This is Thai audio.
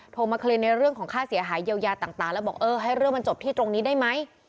มาเคลียร์ในเรื่องของค่าเสียหายเยียวยาต่างแล้วบอกเออให้เรื่องมันจบที่ตรงนี้ได้ไหม